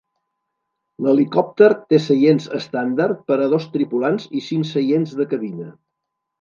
L'helicòpter té seients estàndard per a dos tripulants i cinc seients de cabina.